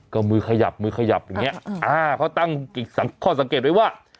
ก็มือขยับมือขยับอย่างนี้เขาตั้งข้อสังเกตไว้ว่า